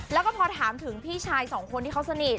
แล้วก็พอถามถึงพี่ชายสองคนที่เขาสนิท